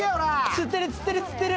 つってる、つってる、つってる！